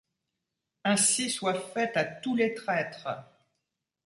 Ainsi soit fait à tous les traîtres!